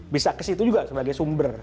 bisa ke situ juga sebagai sumber